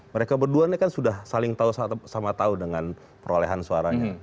mereka berdua ini kan sudah saling tahu sama tahu dengan perolehan suaranya